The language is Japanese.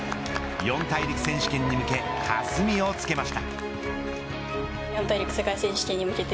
四大陸選手権に向け弾みをつけました。